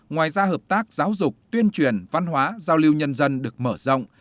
ngoài ra hợp tác giáo dục tuyên truyền văn hóa giao lưu nhân dân được mở rộng